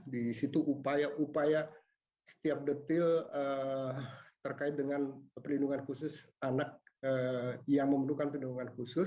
di situ upaya upaya setiap detil terkait dengan perlindungan khusus anak yang membutuhkan perlindungan khusus